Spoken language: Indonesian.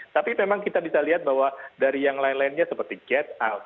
tapi memang kita bisa lihat bahwa dari yang lain lainnya seperti chat out